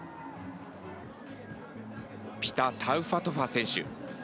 ピタ・タウファトファ選手。